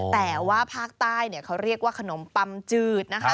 แต่ว่าภาคใต้เขาเรียกว่าขนมปัมจืดนะคะ